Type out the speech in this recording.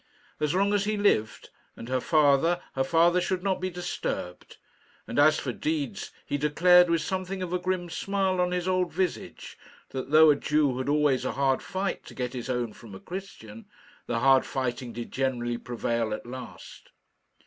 As long as he lived, and her father, her father should not be disturbed. And as for deeds, he declared, with something of a grim smile on his old visage, that though a Jew had always a hard fight to get his own from a Christian, the hard fighting did generally prevail at last.